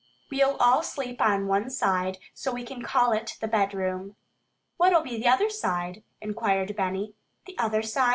"We'll all sleep on one side, so we can call it the bedroom." "What'll be the other side?" inquired Benny. "The other side?"